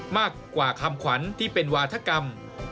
มากกว่าคำขวัญที่เป็นวาธกรรม